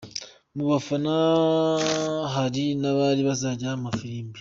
Mu bafana hari n'abari bazanya amafirimbi.